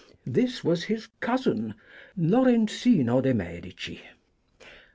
This was his cousin, Lorenzino de' Medici.